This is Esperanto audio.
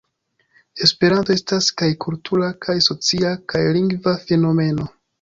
Esperanto estas kaj kultura, kaj socia, kaj lingva fenomeno.